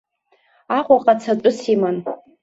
Аҟәаҟа цатәыс иман.